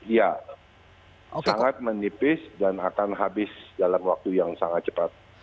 ya sangat menipis dan akan habis dalam waktu yang sangat cepat